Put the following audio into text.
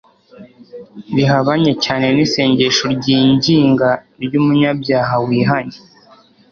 rihabanye cyane n'isengesho ryinginga ry'umunyabyaha wihannye